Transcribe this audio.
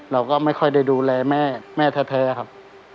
เราก็ไม่ค่อยได้ดูแลแม่แม่แท้ครับ